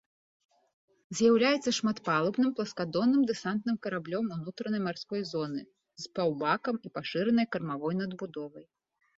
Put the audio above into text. З'яўляецца шматпалубным, пласкадонным дэсантным караблём унутранай марской зоны з паўбакам і пашыранай кармавой надбудовай.